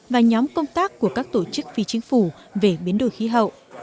và nhóm công tác của các tổ chức phi chính phủ về biến đổi khí hậu